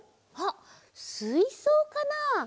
あっすいそうかな？